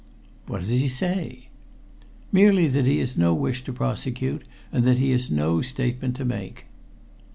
"What does he say?" "Merely that he has no wish to prosecute, and that he has no statement to make."